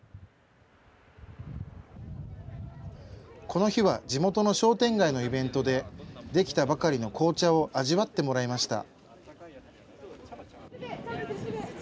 この日は地元の商店街のイベントで、出来たばかりの紅茶を味わってもらいました。